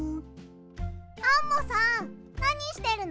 アンモさんなにしてるの？